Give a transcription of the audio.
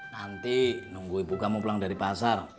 nanti nunggu ibu kamu pulang dari pasar